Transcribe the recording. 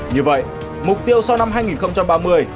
như vậy mục tiêu sau năm hai nghìn ba mươi